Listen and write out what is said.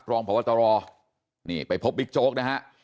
รองพบตรนี่ไปพบบิ๊กโจ๊กนะฮะ